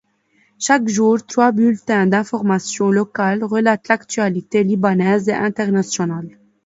Chaque jour, trois bulletins d’informations locales relatent l’actualité libanaise et internationale.